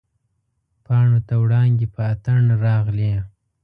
پاڼو ته وړانګې په اتڼ راغلي